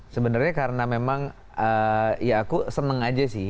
sebenarnya karena memang ya aku seneng aja sih